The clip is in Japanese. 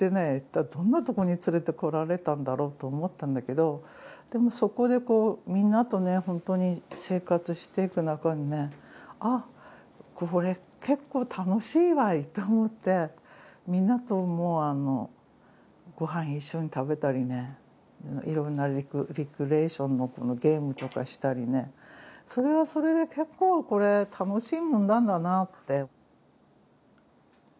どんなところに連れてこられたんだろうと思ったんだけどでもそこでみんなとねほんとに生活していく中にねあっこれ結構楽しいわいと思ってみんなとごはん一緒に食べたりねいろんなレクリエーションのゲームとかしたりねそれはそれで結構これ楽しいもんなんだなって。